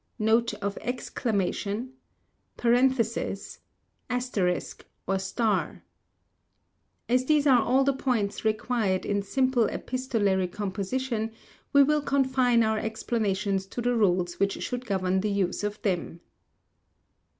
Note of Exclamation ! Parenthesis () Asterisk, or Star * As these are all the points required in simple epistolary composition, we will confine our explanations to the rules which should govern the use of them.